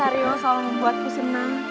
terima kasih mas arif selalu membuatku senang